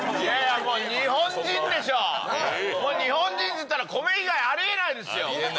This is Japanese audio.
もう日本人っていったら、米以外ありえないですよ。